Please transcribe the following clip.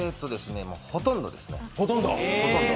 ほとんどですね。